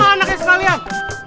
bawa anaknya sekalian